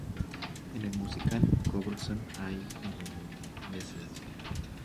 En el musical, Robertson Ay y Mrs.